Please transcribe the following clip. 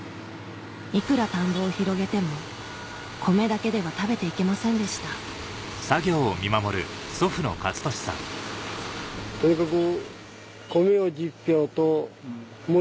いくら田んぼを広げても米だけでは食べて行けませんでしたとにかく。